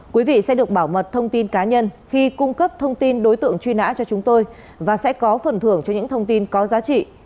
quý vị sẽ được bảo mật thông tin cá nhân khi cung cấp thông tin đối tượng truy nã cho chúng tôi và sẽ có phần thưởng cho những thông tin có giá trị